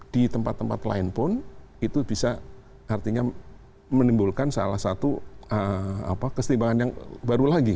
di tempat tempat lain pun itu bisa artinya menimbulkan salah satu kesetimbangan yang baru lagi